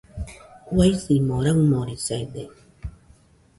Uaisimo raɨmorisaide